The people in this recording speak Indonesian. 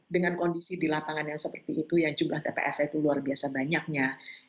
dengan kondisi di lapangan yang seperti itu yang jumlah tps itu luar biasa banyaknya